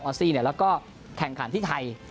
ซี่แล้วก็แข่งขันที่ไทย